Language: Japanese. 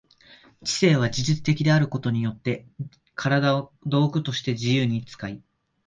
知性は自律的であることによって身体を道具として自由に使い、